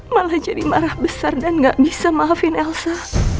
malah jadi marah besar dan gak bisa maafin elsa